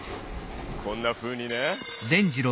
こんなふうにね。